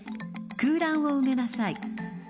［空欄を埋めなさい］